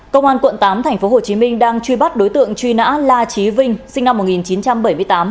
công an quận tám tp hcm đang truy bắt đối tượng truy nã la trí vinh sinh năm một nghìn chín trăm bảy mươi tám